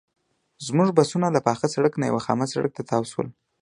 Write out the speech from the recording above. زموږ بسونه له پاخه سړک نه یوه خامه سړک ته تاو شول.